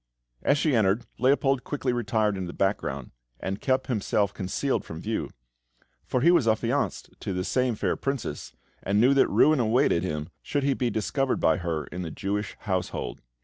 As she entered, Leopold quickly retired into the background, and kept himself concealed from view; for he was affianced to this same fair princess, and knew that ruin awaited him should he be discovered by her in the Jewish household.